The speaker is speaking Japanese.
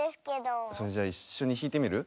それじゃいっしょにひいてみる？